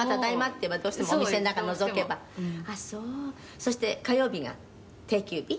「そして火曜日が定休日？